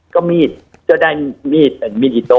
ก็มีดเจ้าได้มีดเป็นมีดอิโต้